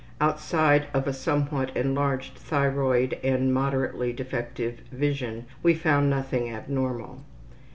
Outside of a somewhat enlarged thyroid and moderately defective vision, we found nothing abnormal.